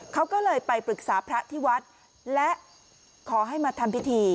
เขาก็เลยไปปรึกษาพระที่วัดและขอให้มาทำพิธี